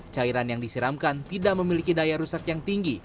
cairan yang disiramkan tidak memiliki daya rusak yang tinggi